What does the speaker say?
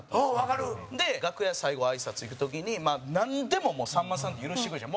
楽屋、最後、挨拶行く時になんでも、さんまさんって許してくれるじゃん。